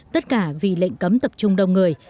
tất cả vì lệnh cấm tập trung đông người